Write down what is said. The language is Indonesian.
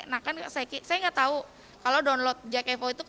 nah kan saya nggak tahu kalau download jkevo itu